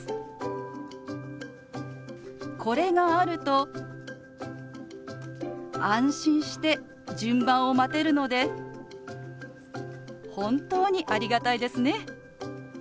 これがあると安心して順番を待てるので本当にありがたいですね。